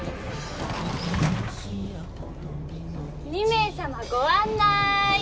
２名様ご案内！